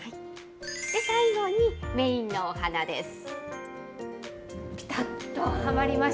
最後にメインのお花です。